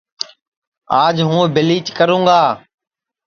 آج ہوں بیلیچ کروں گا